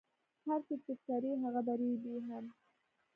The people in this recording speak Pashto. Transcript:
هر څه چی کری هغه به ریبی هم